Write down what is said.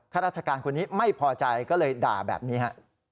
ราชการคนนี้ไม่พอใจก็เลยด่าแบบนี้ฮะ